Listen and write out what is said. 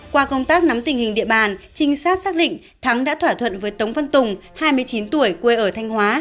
qua công tác nắm tình hình địa bàn trinh sát xác định thắng đã thỏa thuận với tống văn tùng hai mươi chín tuổi quê ở thanh hóa